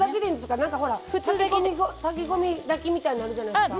なんかほら炊き込み炊きみたいなのあるじゃないですか。